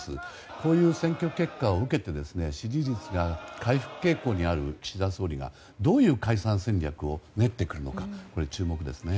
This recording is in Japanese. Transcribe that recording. こういう選挙結果を受けて支持率が回復傾向にある岸田総理は、どういう解散戦略を練ってくるのか注目ですね。